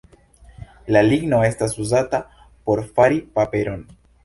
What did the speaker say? La ligno estas uzata por fari paperon.